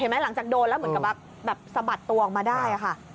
เห็นไหมหลังจากโดนแล้วเหมือนกับสะบัดตัวออกมาได้ค่ะ